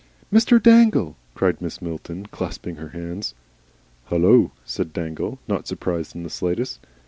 "Mr. Dangle!" cried Mrs. Milton, clasping her hands. "Hullo!" said Dangle, not surprised in the slightest.